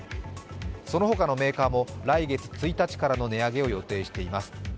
その他のメーカーも来月１日からの値上げを予定しています。